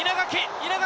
稲垣！